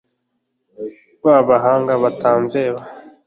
ba bahanga batamveba